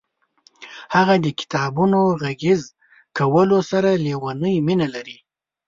هغه د کتابونو غږیز کولو سره لیونۍ مینه لري.